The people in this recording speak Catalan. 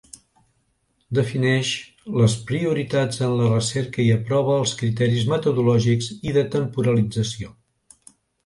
Defineix les prioritats en la recerca i aprova els criteris metodològics i de temporalització.